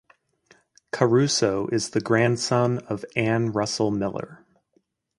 Caruso is the grandson of Ann Russell Miller.